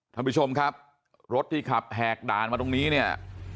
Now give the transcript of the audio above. ท่านผู้ชมครับรถที่ขับแหกด่านมาตรงนี้เนี่ย